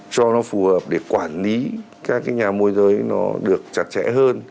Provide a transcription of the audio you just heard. cho nó phù hợp để quản lý các cái nhà môi giới nó được chặt chẽ hơn